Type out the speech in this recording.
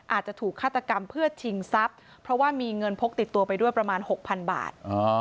อาจจะถูกฆาตกรรมเพื่อชิงทรัพย์เพราะว่ามีเงินพกติดตัวไปด้วยประมาณ๖๐๐๐บาท